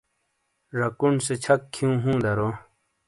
جاکون سے چھک کھیوں ہوں دارو۔